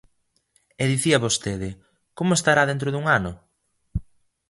E dicía vostede, ¿como estará dentro dun ano?